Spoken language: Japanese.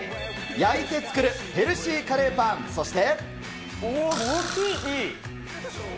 焼いて作るヘルシーカレーパン、そして。